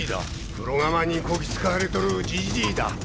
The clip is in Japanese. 風呂釜にこきつかわれとるジジイだ。